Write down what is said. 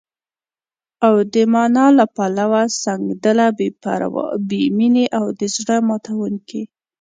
او د مانا له پلوه، سنګدله، بې پروا، بې مينې او د زړه ماتوونکې